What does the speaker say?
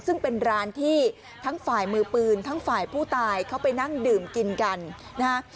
ซึ่งเป็นร้านที่ทั้งฝ่ายมือปืนทั้งฝ่ายผู้ตายเขาไปนั่งดื่มกินกันนะฮะ